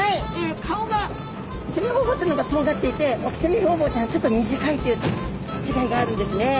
顔がセミホウボウちゃんの方がとんがっていてオキセミホウボウちゃんはちょっと短いっていうちがいがあるんですね。